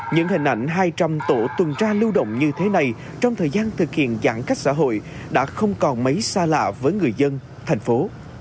những hình ảnh hai trăm linh tổ tuần tra lưu động như thế này trong thời gian thực hiện giãn cách xã hội đã không còn mấy xa lạ với người dân thành phố